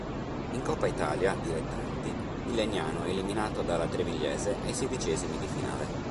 In Coppa Italia Dilettanti il Legnano è eliminato dalla Trevigliese ai sedicesimi di finale.